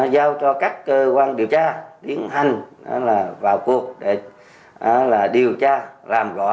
giao cho các cơ quan điều tra tiến hành vào cuộc để điều tra làm rõ